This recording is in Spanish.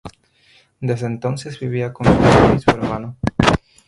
Desde entonces, vivía con su madre y su hermano.